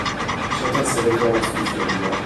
Chacun ses références, monsieur Robiliard